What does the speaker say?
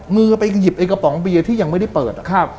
มือไปหยิบไอ้กระป๋องเบียร์ที่ยังไม่ได้เปิด